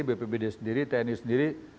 bpbd sendiri tni sendiri